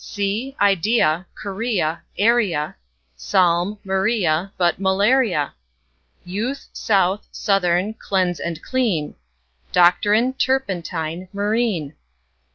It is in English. Sea, idea, guinea, area, Psalm; Maria, but malaria; Youth, south, southern; cleanse and clean; Doctrine, turpentine, marine.